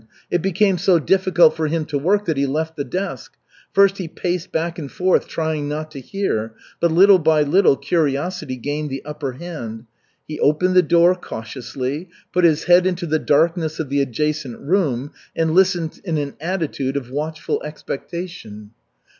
It became so difficult for him to work that he left the desk. First he paced back and forth trying not to hear; but little by little curiosity gained the upper hand. He opened the door cautiously, put his head into the darkness of the adjacent room and listened in an attitude of watchful expectation.